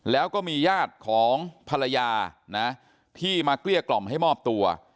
แล้วก็มีญาติของภรรยานะที่มาเกลี้ยกล่อมให้มอบตัว